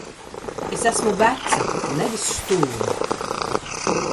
Es esmu veca, nevis stulba!